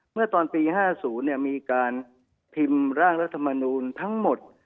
เมื่อตอนปี๕๐มีการพิมพ์ร่างรัฐมนูลทั้งหมด